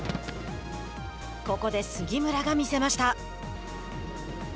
ここで杉村が見せました。